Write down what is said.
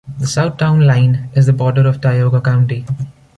The south town line is the border of Tioga County.